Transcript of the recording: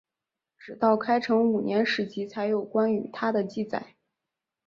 直到开成五年史籍才有关于他的记载。